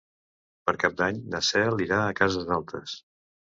Per Cap d'Any na Cel irà a Cases Altes.